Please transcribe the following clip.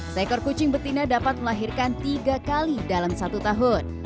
seekor kucing betina dapat melahirkan tiga kali dalam satu tahun